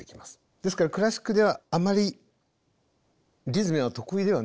ですからクラシックではあまりリズムは得意ではなかった。